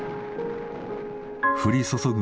降り注ぐ